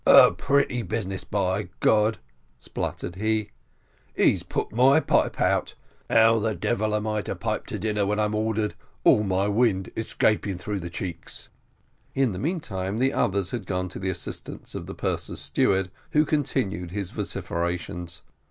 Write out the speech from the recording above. "A pretty business, by God," sputtered he; "he's put my pipe out. How the devil am I to pipe to dinner when I'm ordered, all my wind 'scaping through the cheeks?" In the meantime, the others had gone to the assistance of the purser's steward, who continued his vociferations.